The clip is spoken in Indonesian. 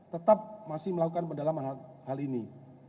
tetap masih melakukan pendalaman hal ini